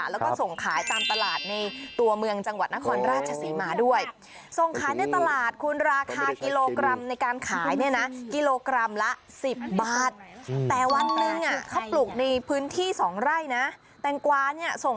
แล้วก็ส่งขายตามตลาดในตัวเมืองจังหวัดนครราชศรีมาด้วย